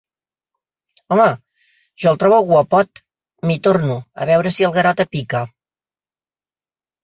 Home, jo el trobo guapot! —m'hi torno, a veure si el Garota pica.